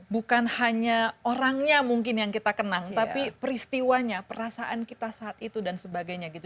bukan hanya orangnya mungkin yang kita kenang tapi peristiwanya perasaan kita saat itu dan sebagainya gitu